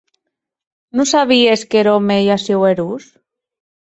Non sabies qu’er òme ei aciu erós?